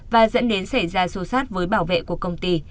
và dẫn đến xảy ra xô xát với bảo vệ của công ty